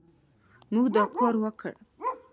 موږ دا کار وکړ